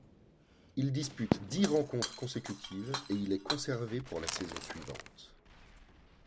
Il dispute dix rencontres consécutives et il est conservé pour la saison suivante.